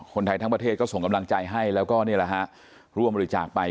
คนไทยทั้งประเทศก็ส่งกำลังใจให้แล้วก็นี่แหละฮะร่วมบริจาคไป